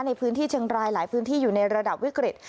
ในพื้นที่เชียงรายหลายพื้นที่อยู่ในระดับวิกฤต